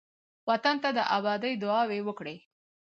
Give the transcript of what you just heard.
وطن ته د آبادۍ دعاوې وکړئ.